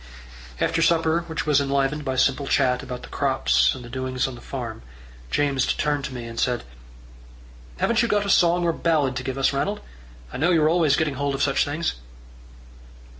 After supper, which was enlivened by simple chat about the crops and the doings on the farm, James turned to me, and said: "Haven't you got a song or a ballad to give us, Ranald? I know you're always getting hold of such things."